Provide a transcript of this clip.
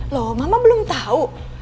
loh mama belum tau